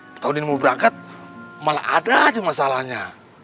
kalau dia mau berangkat malah ada aja masalahnya